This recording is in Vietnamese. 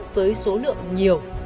với số lượng nhiều